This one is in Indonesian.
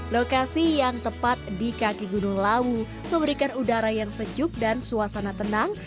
lokasi yang tepat di kaki gunung lawu memberikan udara yang sejuk dan suasana tenang